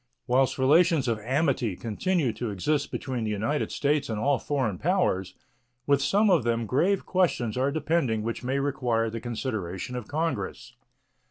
Whilst relations of amity continue to exist between the United States and all foreign powers, with some of them grave questions are depending which may require the consideration of Congress.